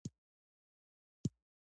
لنډه دا چې دوی بېرته خپل غار ته لاړل.